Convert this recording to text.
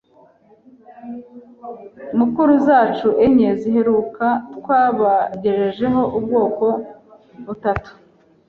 munkuru zacu enye ziheruka twabagejejeho ubwoko butatu